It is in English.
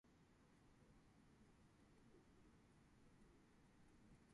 However, neither is true.